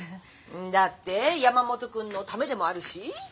だって山本君のためでもあるし。